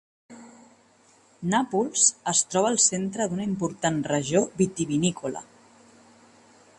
Nàpols es troba al centre d'una important regió vitivinícola.